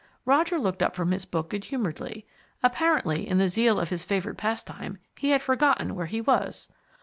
Roger looked up from his book good humouredly. Apparently, in the zeal of his favourite pastime, he had forgotten where he was.